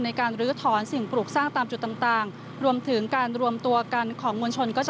ในการลื้อถอนสิ่งปรุกสร้างตามจุดต่าง